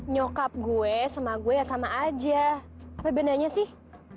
nyokap gue sama gue ya sama aja apa bedanya sih